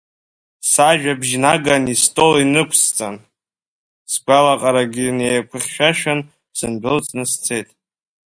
Сажәабжь наган истол инықәсҵан, сгәалаҟарагьы неиқәыхьшәашәан, сындәылҵны сцеит.